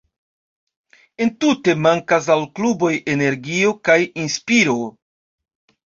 Entute, mankas al la kluboj energio kaj inspiro.